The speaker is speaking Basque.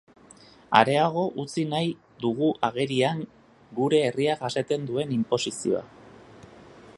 Areago utzi nahi dugu agerian geure herriak jasaten duen inposizioa.